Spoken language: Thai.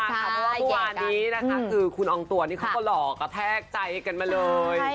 เพราะว่าเมื่อวานนี้นะคะคือคุณอองตัวนี่เขาก็หล่อกระแทกใจกันมาเลย